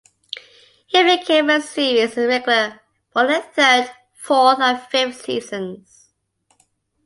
He became a series regular for the third, fourth, and fifth seasons.